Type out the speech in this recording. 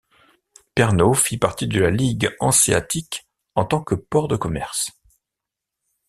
Pernau fit partie de la Ligue hanséatique en tant que port de commerce.